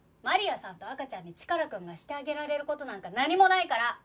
マリアさんと赤ちゃんにチカラくんがしてあげられる事なんか何もないから！